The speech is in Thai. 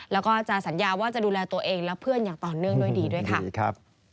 แล้วก็จะสัญญาว่าจะดูแลตัวเองและเพื่อนอย่างต่อเนื่องด้วยดีด้วยค่ะ